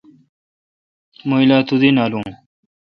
مہ الا تودی نالون۔